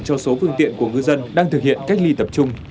cho số phương tiện của ngư dân đang thực hiện cách ly tập trung